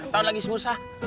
tau lagi susah